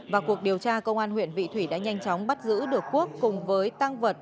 và cuộc điều tra công an huyện vị thủy đã nhanh chóng bắt giữ được quốc cùng với tăng vật